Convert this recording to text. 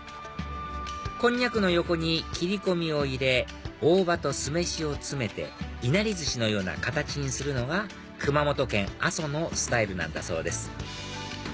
こんにゃくの横に切り込みを入れ大葉と酢飯を詰めていなり寿司のような形にするのが熊本県阿蘇のスタイルなんだそうです